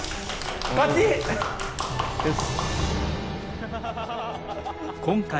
よし。